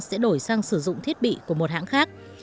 sẽ đổi sang sử dụng thiết bị của một hãng khác